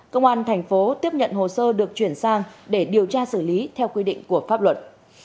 công an thành phố tiếp nhận hồ sơ được chuyển sang để điều tra xử lý theo quy định của pháp luật